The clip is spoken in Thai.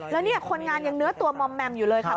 แล้วเนี่ยคนงานยังเนื้อตัวมอมแมมอยู่เลยค่ะ